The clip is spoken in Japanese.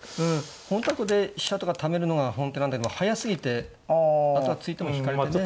本当はここで飛車とかためるのが本手なんだけども速すぎてあとは突いても引かれてね。